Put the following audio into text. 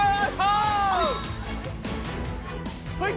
はい！